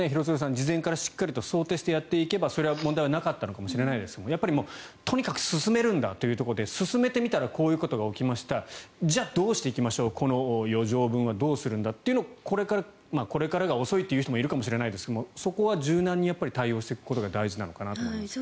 事前からしっかり想定していればそれは問題はなかったのかもしれないですがやっぱり、とにかく進めるんだというところで進めてみたらこういうことが起きましたじゃあ、どうしていきましょうこの余剰分はどうするんだというのをこれからが遅いという人もいるかもしれないですけどそこは柔軟に対応していくことが大事なのかなと思います。